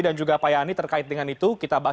dan juga pak yani terkait dengan itu kita bahas